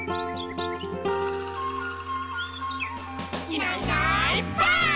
「いないいないばあっ！」